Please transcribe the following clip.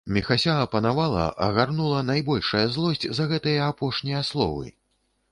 Міхася апанавала, агарнула найбольшая злосць за гэтыя апошнія словы.